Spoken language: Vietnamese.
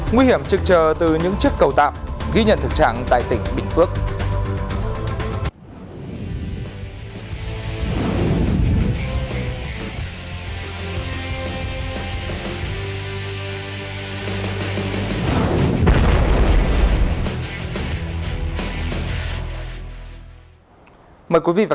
nguy hiểm trực trờ từ những chiếc cầu tạp ghi nhận thực trạng tại tỉnh bình phước